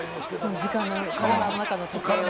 時間が、体の中の時間を。